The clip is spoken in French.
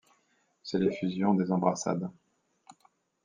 C'est l'effusion, des embrassades.